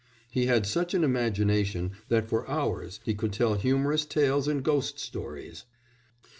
He had such an imagination that for hours he could tell humorous tales and ghost stories."